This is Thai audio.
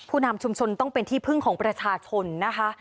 นำชุมชนต้องเป็นที่พึ่งของประชาชนนะคะ